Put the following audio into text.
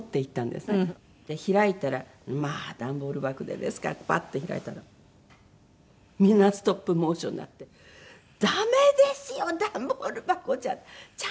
開いたら段ボール箱でですからパッて開いたらみんなストップモーションになって「ダメですよ段ボール箱じゃ！ちゃんと桐箱に」